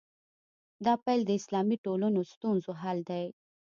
دا پیل د اسلامي ټولنو ستونزو حل دی.